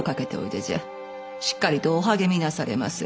しっかりとお励みなされませ。